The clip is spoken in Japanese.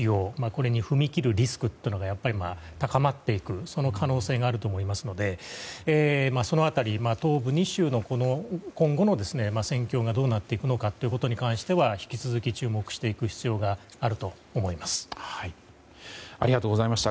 これに踏み切るリスクというのが高まっていくその可能性があると思いますのでその辺り東部２州の今後の戦況がどうなっていくのかということに関しては引き続き、注目していく必要があると思います。